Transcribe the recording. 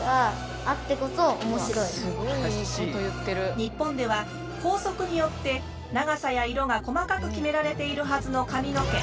日本では校則によって長さや色が細かく決められているはずの髪の毛。